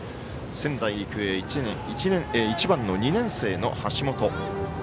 仙台育英、１番の２年生の橋本。